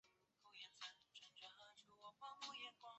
还可以通过裂缝灯观察眼睛表面来确认是否眼干。